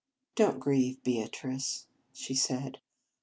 " Don t grieve, Beatrice," she said.